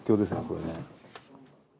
これね。